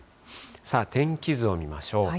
天気図を見ましょう。